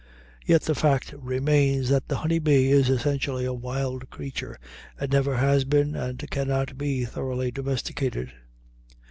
Yet the fact remains that the honey bee is essentially a wild creature, and never has been and cannot be thoroughly domesticated.